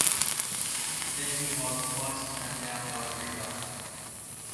There he was twice turned down by Rinda.